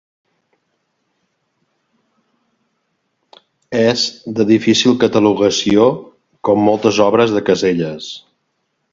És de difícil catalogació, com moltes obres de Caselles.